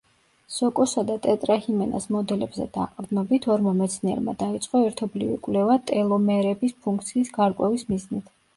სოკოსა და ტეტრაჰიმენას მოდელებზე დაყრდნობით ორმა მეცნიერმა დაიწყო ერთობლივი კვლევა ტელომერების ფუნქციის გარკვევის მიზნით.